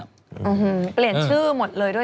เออฮือเปลี่ยนชื่อหมดเลยด้วยใช่ไหม